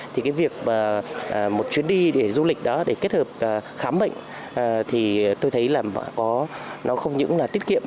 thì cái việc một chuyến đi để du lịch đó để kết hợp khám bệnh thì tôi thấy là nó không những là tiết kiệm